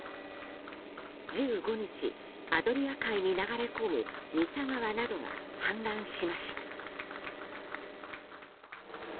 １５日、アドリア海に流れ込むミサ川などが氾濫しました。